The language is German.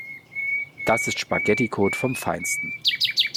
Das ist Spaghetticode vom Feinsten.